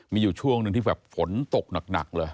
มีอยู่ช่วงหนึ่งที่แบบฝนตกหนักเลย